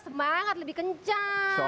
semangat lebih kencang